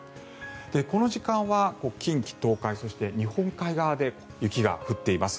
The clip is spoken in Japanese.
この時間は近畿・東海そして日本海側で雪が降っています。